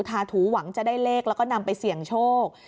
ถูหวังจะได้เลขแล้วก็นำไปเสี่ยงโชค